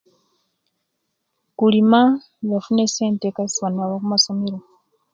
Kulima nofuna esente Kaisi abaana nibaba kumasomero